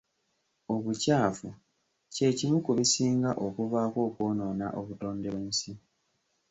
Obukyafu kye kimu ku bisinga okuvaako okwonoona obutonde bw'ensi.